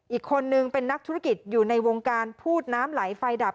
อีกคนนึงเป็นนักธุรกิจอยู่ในวงการพูดน้ำไหลไฟดับ